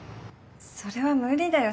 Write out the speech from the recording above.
それは無理だよ